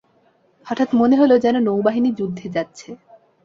হঠাৎ মনে হল, যেন নৌবাহিনী যুদ্ধে যাচ্ছে।